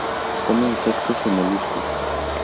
Come insectos y moluscos.